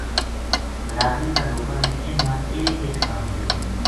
بلادری کا لوکاں نے اِنھ نا ایک ایک بھارو دِتو